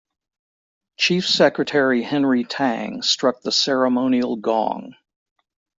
Chief Secretary Henry Tang struck the ceremonial gong.